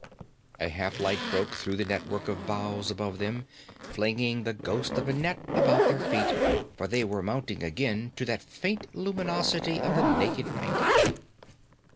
A half light broke through the network of boughs above them, flinging the ghost of a net about their feet; for they were mounting again to the faint luminosity of the naked night.